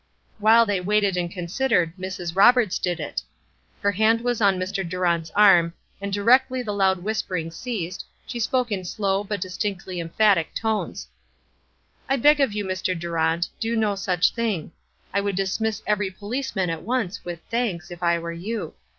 While they waited and considered, Mrs. Roberts did it. Her hand was on Mr. Durant's arm, and directly the loud whispering ceased, she spoke in low, but distinctly emphatic tones: "I beg of you, Mr. Durant, do no such thing. I would dismiss every policeman at once, with thanks, if I were you.